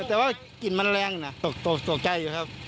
แต่ว่ากลิ่นมันแรงนะตกใจอยู่ครับ